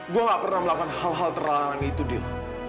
gue gak pernah melakukan hal hal terlalang itu dil